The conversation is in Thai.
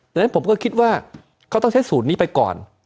ดังนั้นผมก็คิดว่าเขาต้องใช้สูตรนี้ไปก่อน